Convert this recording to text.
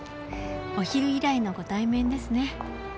お昼以来のご対面ですね。